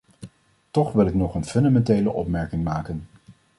Toch wil ik nog een fundamentele opmerking maken.